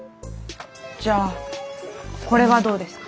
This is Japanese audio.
じゃあこれはどうですか？